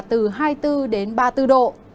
từ hai mươi bốn đến ba mươi bốn độ